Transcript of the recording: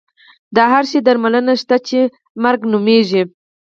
د هر شي درملنه شته چې مرګ نومېږي.